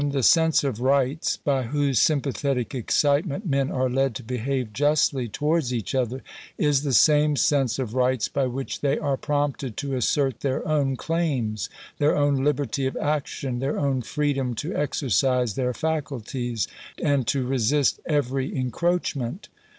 97), the sense of rights, by whose sympathetic excitement men are led to behave justly towards each other, is the same sense of rights by which they are prompted to assert their own claims — their own liberty of action — their own freedom to exercise their faculties, and to resist every encroachment.